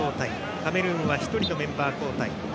カメルーンは１人のメンバー交代。